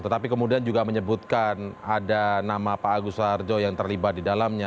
tetapi kemudian juga menyebutkan ada nama pak agus sarjo yang terlibat di dalamnya